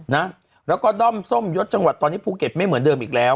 นะแล้วก็ด้อมส้มยศจังหวัดตอนนี้ภูเก็ตไม่เหมือนเดิมอีกแล้ว